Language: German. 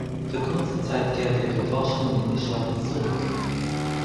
Für kurze Zeit kehrte er für Forschungen in die Schweiz zurück.